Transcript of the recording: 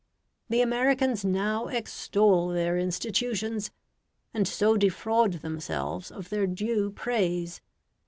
The Americans now extol their institutions, and so defraud themselves of their due praise.